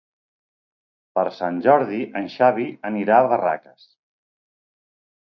Per Sant Jordi en Xavi anirà a Barraques.